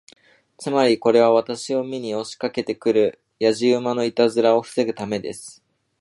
つまり、これは私を見に押しかけて来るやじ馬のいたずらを防ぐためです。